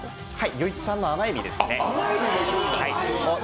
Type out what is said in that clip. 余市産の甘エビですね。